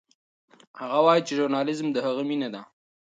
هغه وایي چې ژورنالیزم د هغه مینه ده.